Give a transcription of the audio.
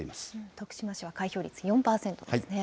徳島市は開票率４％ですね。